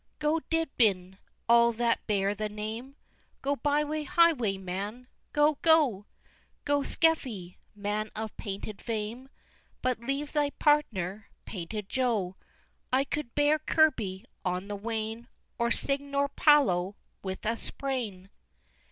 V. Go, Dibdin all that bear the name, Go, Byeway Highway man! go! go! Go, Skeffy man of painted fame, But leave thy partner, painted Joe! I could bear Kirby on the wane, Or Signor Paulo with a sprain!